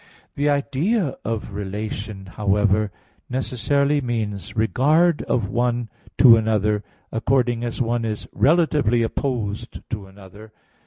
The idea of relation, however, necessarily means regard of one to another, according as one is relatively opposed to another.